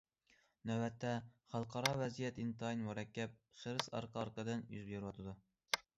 نۆۋەتتە خەلقئارا ۋەزىيەت ئىنتايىن مۇرەككەپ، خىرىس ئارقا- ئارقىدىن يۈز بېرىۋاتىدۇ.